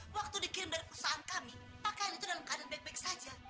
waktu dikirim dari perusahaan kami pakaian itu dalam keadaan baik baik saja